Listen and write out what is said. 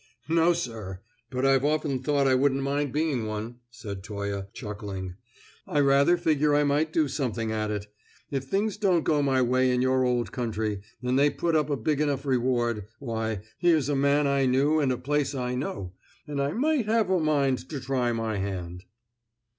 "No, sir! But I've often thought I wouldn't mind being one," said Toye, chuckling. "I rather figure I might do something at it. If things don't go my way in your old country, and they put up a big enough reward, why, here's a man I knew and a place I know, and I might have a mind to try my hand."